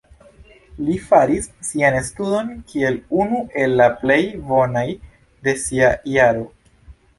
Li faris sian studon kiel unu el la plej bonaj de sia jaro.